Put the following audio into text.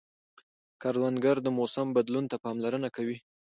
کروندګر د موسم بدلون ته پاملرنه کوي